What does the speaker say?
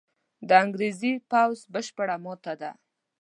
د انګرېزي پوځ بشپړه ماته ده.